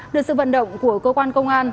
được sự vận động của cơ quan công an